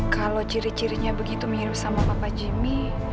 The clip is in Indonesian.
kalo ciri cirinya begitu mirip sama papa jimmy